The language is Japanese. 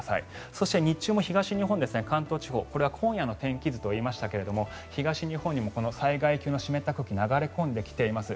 そして日中も東日本、関東地方これは今夜の天気図と言いましたが東日本にもこの災害級の湿った空気が流れ込んできています。